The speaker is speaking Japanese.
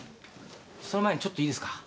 その前にちょっといいですか？